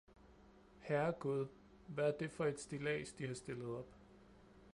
Herregud, hvad er det for et stillads de har stillet op!